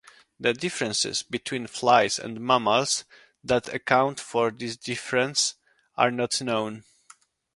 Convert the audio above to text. The differences between flies and mammals that account for this difference are not known.